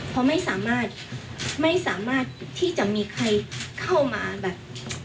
เพราะไม่สามารถไม่สามารถที่จะมีใครเข้ามาแบบ